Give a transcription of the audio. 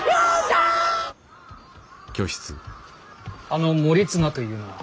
あの盛綱というのは。